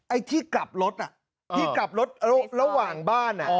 ไอ้ที่กลับรถที่กลับรถระหว่างบ้าน